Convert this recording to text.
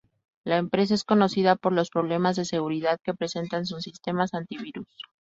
La empresa es conocida por los problemas de seguridad que presentan sus sistemas antivirus.